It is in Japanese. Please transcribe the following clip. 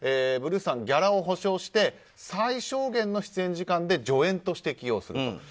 ブルースさん、ギャラを保証して最小限の出演時間で、助演として起用すると。